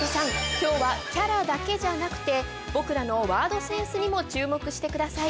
今日はキャラだけじゃなくて僕らのワードセンスにも注目してください。